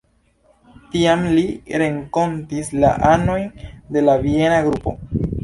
Tiam li renkontis la anojn de la Viena Grupo.